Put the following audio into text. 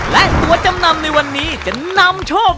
และตัวจำนำในวันนี้จะนำโชค